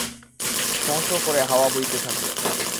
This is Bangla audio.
শো-শোঁ করে হাওয়া বইতে থাকল।